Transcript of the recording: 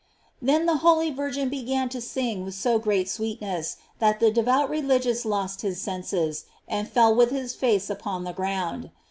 Then the most holy Vir gin began to sing with so great sweetness, that the devout religious lost his senses, and fell with his face upon the ground.